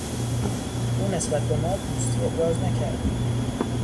او نسبت به ما دوستی ابراز نکرد.